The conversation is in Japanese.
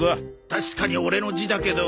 確かにオレの字だけど。